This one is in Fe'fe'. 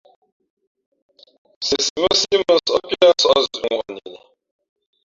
Nsiesi mά síí mʉnsάʼ piá nsα̂ʼ zʉ̌ʼŋwαʼni li.